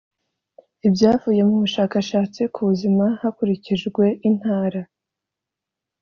ibyavuye mu bushakashatsi ku buzima hakurikijwe intara